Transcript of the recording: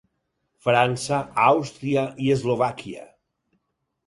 França, Àustria i Eslovàquia.